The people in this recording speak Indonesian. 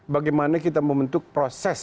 bagaimana kita membentuk proses